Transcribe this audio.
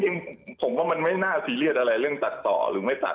จริงผมว่ามันไม่น่าซีเรียสอะไรเรื่องตัดต่อหรือไม่ตัด